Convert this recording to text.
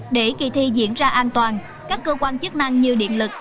để kỳ thi diễn ra an toàn các cơ quan chức năng như điện lực